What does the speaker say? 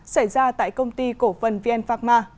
xảy ra tại công ty cổ phần vien phạc ma